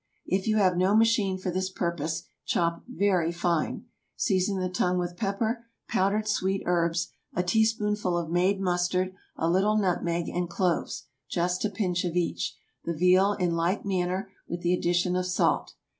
If you have no machine for this purpose, chop very fine. Season the tongue with pepper, powdered sweet herbs, a teaspoonful of made mustard, a little nutmeg, and cloves—just a pinch of each; the veal in like manner, with the addition of salt.